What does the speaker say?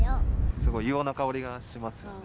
すごい硫黄の香りがしますよね。